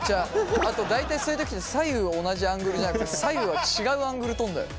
あと大体そういう時って左右同じアングルじゃなくて左右は違うアングル撮んだよ。